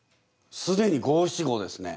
すでに五・七・五ですね。